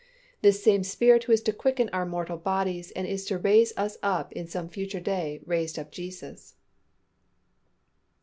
The same Spirit who is to quicken our mortal bodies and is to raise us up in some future day raised up Jesus.